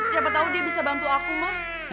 siapa tau dia bisa bantu aku ma